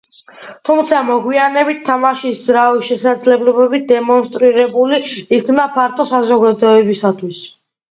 თუმცა მოგვიანებით, თამაშის ძრავის შესაძლებლობები დემონსტრირებული იქნა ფართო საზოგადოებისათვის.